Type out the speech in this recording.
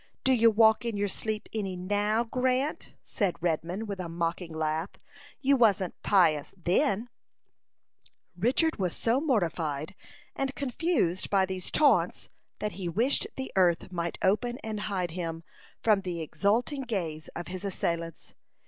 "Do you walk in your sleep any now, Grant?" said Redman, with a mocking laugh. "You wasn't pious then." Richard was so mortified and confused by these taunts that he wished the earth might open and hide him from the exulting gaze of his assailants.